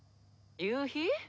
夕日？